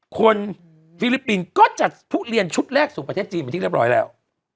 ฟิลิปปินส์ก็จัดทุเรียนชุดแรกสู่ประเทศจีนเป็นที่เรียบร้อยแล้ว